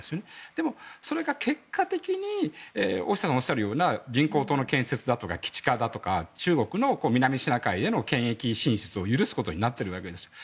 でもそれが結果的に大下さんがおっしゃるような人工島の建設だとか基地化だとか中国の南シナ海への権益進出を許すことになっているわけです。